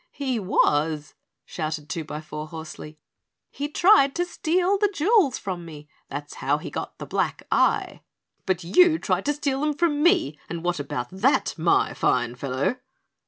"He was," shouted Twobyfour hoarsely. "He tried to steal the jewels from me. That's how he got the black eye." "But you tried to steal them from me, and what about that my fine fellow?"